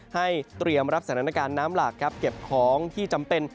ให้เตรียมรับสถานการณ์น้ำหลากครับเก็บของที่จำเป็น